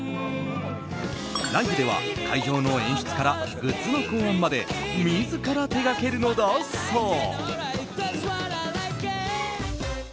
ライブでは会場の演出からグッズの考案まで自ら手掛けるのだそう。